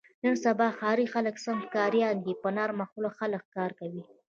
نن سبا ښاري خلک سم ښکاریان دي. په نرمه خوله خلک ښکار کوي.